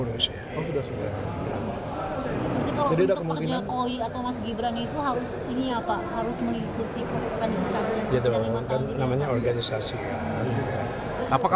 kalau provinsi gunasemur gimana pak